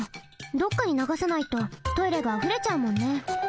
どっかにながさないとトイレがあふれちゃうもんね。